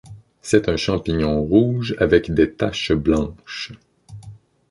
C'est un champignon rouge avec des taches blanches.